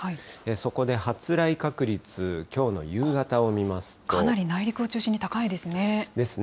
そこで発雷確率、きょうの夕方をかなり内陸を中心に高いですですね。